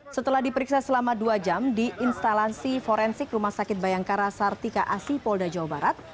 setelah diperiksa selama dua jam di instalasi forensik rumah sakit bayangkara sartika asi polda jawa barat